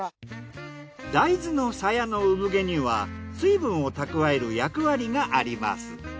大豆のさやの産毛には水分を蓄える役割があります。